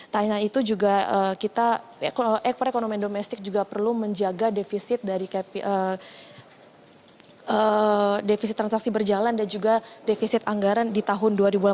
tak hanya itu juga kita ekonomi domestik juga perlu menjaga defisit dari defisit transaksi berjalan dan juga defisit anggaran di tahun dua ribu delapan belas